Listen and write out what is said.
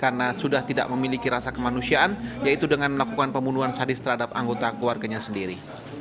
karena sudah tidak memiliki rasa kemanusiaan yaitu dengan melakukan pembunuhan sadis terhadap anggota keluarganya sendiri